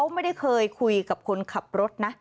ไม่ได้เคยคุยกับคนขับรถนะ